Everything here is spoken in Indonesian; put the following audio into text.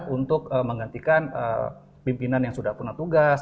untuk menggantikan pimpinan yang sudah punya tugas